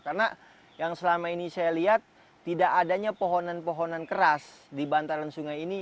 karena yang selama ini saya lihat tidak adanya pohonan pohonan keras di bantaran sungai ini